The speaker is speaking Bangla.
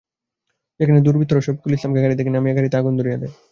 সেখানে দুর্বৃত্তরা শফিকুল ইসলামকে গাড়ি থেকে নামিয়ে গাড়িতে আগুন ধরিয়ে দেয়।